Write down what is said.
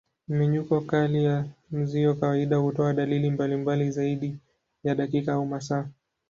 Mmenyuko kali ya mzio kawaida hutoa dalili mbalimbali zaidi ya dakika au masaa.